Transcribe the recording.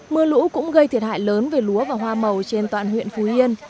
mưa lũ cũng gây thiệt hại lớn về lúa và hoa màu trên toàn huyện phú yên